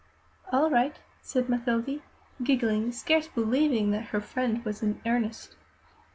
"All right," said Mathilde, giggling, scarce believing that her friend was in earnest.